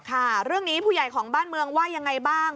ค่ะเรื่องนี้ผู้ใหญ่ของบ้านเมืองว่ายังไงบ้าง